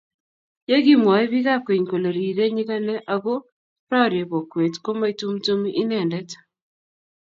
ya kimwoe biikab keny kole rirei nyikane aku rorie bokwet ko maitumtum inendet